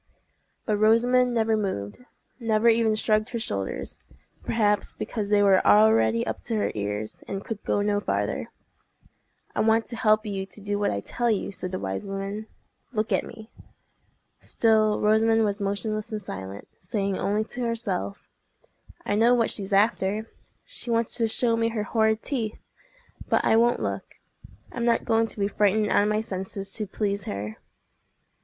But Rosamond never moved—never even shrugged her shoulders—perhaps because they were already up to her ears, and could go no farther. "I want to help you to do what I tell you," said the wise woman. "Look at me." Still Rosamond was motionless and silent, saying only to herself, "I know what she's after! She wants to show me her horrid teeth. But I won't look. I'm not going to be frightened out of my senses to please her."